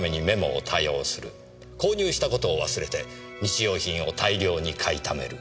購入したことを忘れて日用品を大量に買いためる。